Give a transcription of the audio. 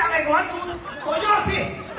หัวนำรู้ดู